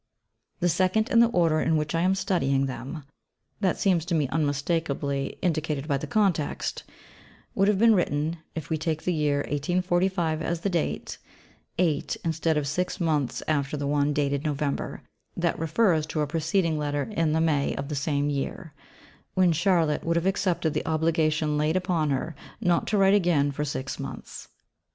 The second in the order in which I am studying them (that seems to me unmistakably indicated by the context) would have been written if we take the year 1845 as the date eight, instead of six, months after the one, dated November, that refers to a preceding letter in the May of the same year when Charlotte would have accepted the obligation laid upon her not to write again for six months.